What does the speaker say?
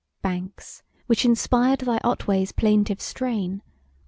Banks, which inspired thy Otway's plaintive strain!